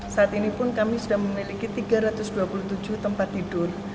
saat ini pun kami sudah memiliki tiga ratus dua puluh tujuh tempat tidur